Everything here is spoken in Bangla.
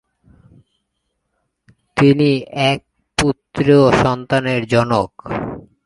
তিনি এক পুত্র সন্তানের জনক।